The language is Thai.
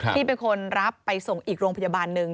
ที่เป็นคนรับไปส่งอีกโรงพยาบาลหนึ่ง